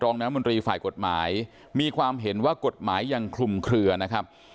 น้ำมนตรีฝ่ายกฎหมายมีความเห็นว่ากฎหมายยังคลุมเคลือนะครับ